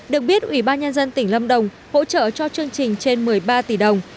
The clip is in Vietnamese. được biết ủy ban nhân dân tỉnh lâm đồng hỗ trợ cho chương trình trên một mươi ba tỷ đồng